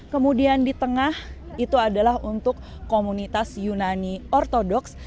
kemudian di tengah itu adalah untuk komunitas yunani ortodoks